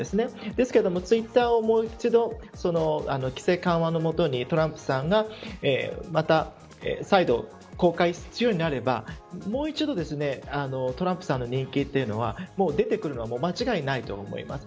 ですけれどもツイッターをもう一度規制緩和のもとにトランプさんがまた再度、公開するようになればもう一度トランプさんの人気というのは出てくるのは間違いないと思います。